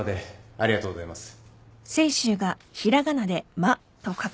ありがとうございます。